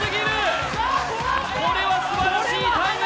これはすばらしいタイム！